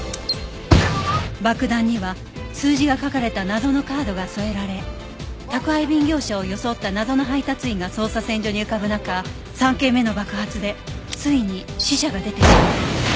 爆弾には数字が書かれた謎のカードが添えられ宅配便業者を装った謎の配達員が捜査線上に浮かぶ中３件目の爆発でついに死者が出てしまう